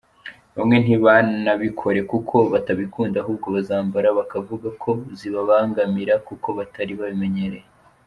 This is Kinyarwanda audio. Bamwe ntibanabikore kuko batabikunda ahubwo bazambara bakavuga ko zibabangamira kuko batari babimenyereye.